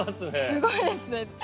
すごいですね。